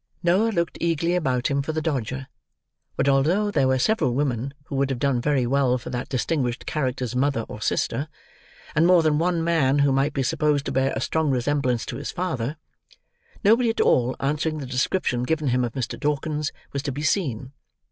Noah looked eagerly about him for the Dodger; but although there were several women who would have done very well for that distinguished character's mother or sister, and more than one man who might be supposed to bear a strong resemblance to his father, nobody at all answering the description given him of Mr. Dawkins was to be seen.